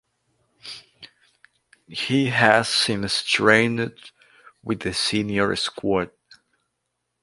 He has since trained with the senior squad.